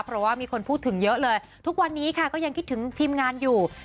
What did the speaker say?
เพราะว่ามีคนพูดถึงเยอะเลยทุกวันนี้ค่ะก็ยังคิดถึงทีมงานอยู่